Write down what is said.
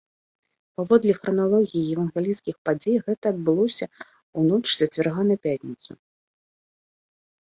Паводле храналогіі евангельскіх падзей гэта адбылося ў ноч з чацвярга на пятніцу.